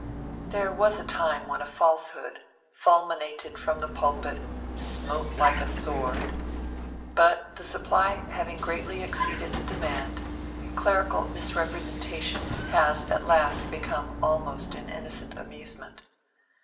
There was a time when a falsehood, fulminated from the pulpit, smote like a sword; but, the supply having greatly exceeded the demand, clerical misrepresentation has at last become almost an innocent amusement.